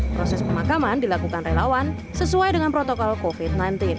proses pemakaman dilakukan relawan sesuai dengan protokol covid sembilan belas